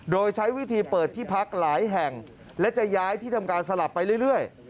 โดยใช้วิธีเปิดที่พักหลายแห่งและจะย้ายที่ทำการสลับไปเรื่อย